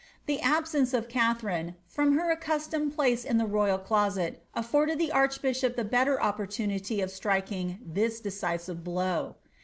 The absence of Katharaie from her accustomed place in the royal closet afibrded the archbtihq) the better opportunity of striking this decisive blow.